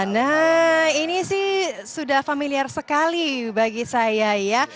nah ini sih sudah familiar sekali bagi saya ya